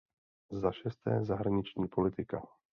Za šesté, zahraniční politika.